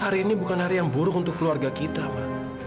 hari ini bukan hari yang buruk untuk keluarga kita mbak